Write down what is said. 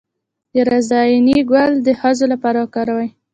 د رازیانې ګل د ښځو لپاره وکاروئ